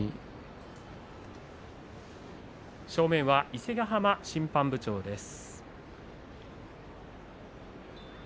伊勢ヶ濱審判部長です。